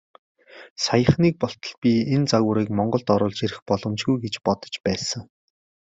Саяхныг болтол би энэ загварыг Монголд оруулж ирэх боломжгүй гэж бодож байсан.